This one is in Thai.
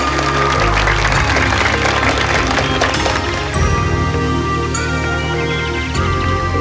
โชว์สี่ภาคจากอัลคาซ่าครับ